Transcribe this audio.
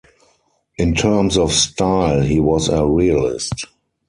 In terms of style, he was a realist.